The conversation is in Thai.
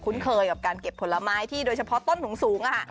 เคยกับการเก็บผลไม้ที่โดยเฉพาะต้นสูง